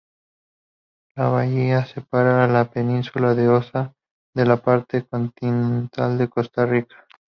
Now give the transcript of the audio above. La bahía separa la península de Osa de la parte continental de Costa Rica.